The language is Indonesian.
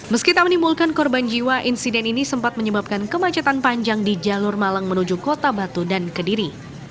meski tak menimbulkan korban jiwa insiden ini sempat menyebabkan kemacetan panjang di jalur malang menuju kota batu dan kediri